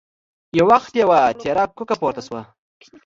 يو وخت يوه تېره کوکه پورته شوه.